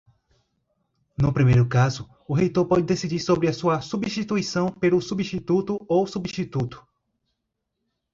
No primeiro caso, o reitor pode decidir sobre sua substituição pelo substituto ou substituto.